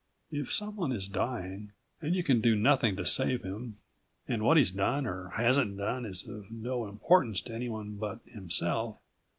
If someone is dying and you can do nothing to save him and what he's done or hasn't done is of no importance to anyone but himself